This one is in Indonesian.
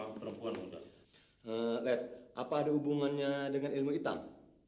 agata sudah dikasi makan mak